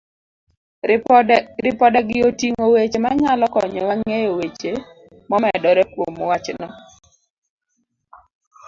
Ripodegi oting'o weche manyalo konyowa ng'eyo weche momedore kuom wachno.